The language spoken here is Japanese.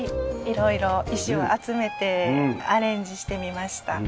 色々石を集めてアレンジしてみました。